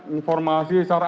informasi secara update